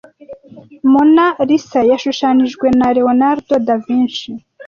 Mona Lisa yashushanijwe na Leonardo da Vinci